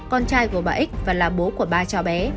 con trai của bà ích và là bố của ba cháu bé